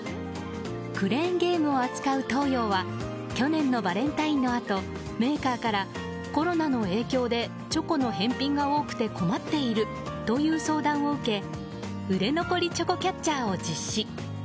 クレーンゲームを扱う東洋は去年のバレンタインのあとメーカーからコロナの影響でチョコの返品が多くて困っているという相談を受け売れ残りチョコキャッチャーを実施。